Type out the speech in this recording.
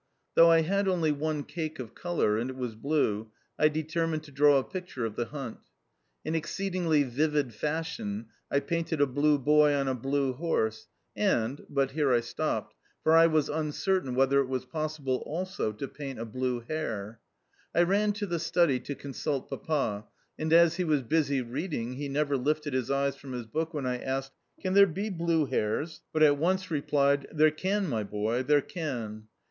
Though I had only one cake of colour, and it was blue, I determined to draw a picture of the hunt. In exceedingly vivid fashion I painted a blue boy on a blue horse, and but here I stopped, for I was uncertain whether it was possible also to paint a blue HARE. I ran to the study to consult Papa, and as he was busy reading he never lifted his eyes from his book when I asked, "Can there be blue hares?" but at once replied, "There can, my boy, there can."